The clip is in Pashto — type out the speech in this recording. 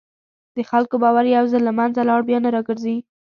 د خلکو باور یو ځل له منځه لاړ، بیا نه راګرځي.